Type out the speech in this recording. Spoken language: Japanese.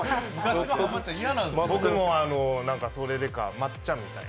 僕もそれでか、まっちゃんみたいな。